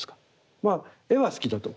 まあ絵は好きだと。